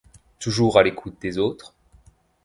Toujours à l'écoute des autres.